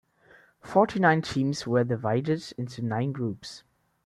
Forty-nine teams were divided into nine groups.